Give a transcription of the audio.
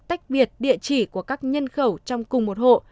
tách biệt địa chỉ của các nhân khẩu trong cùng một hộ